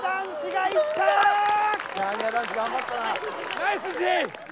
ナイスＪ！